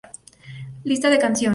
Lista de canciones